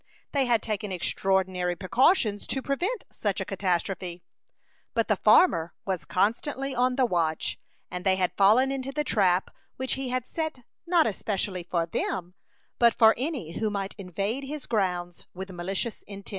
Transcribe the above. They had taken extraordinary precautions to prevent such a catastrophe; but the farmer was constantly on the watch, and they had fallen into the trap which he had set not specially for them, but for any who might invade his grounds with malicious intent.